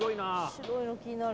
白いの気になる。